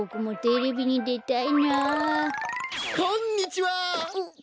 おっこんにちは。